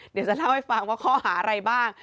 เดี๋ยวจะเล่าให้ฟังว่าข้อหาอะไรบ้าง